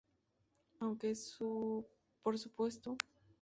Aunque, por supuesto, eran grandes, gordas y feas.